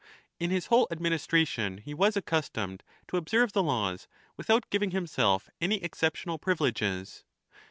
In his whole administration he was accustomed to observe the laws, without giving himself any exceptional privileges.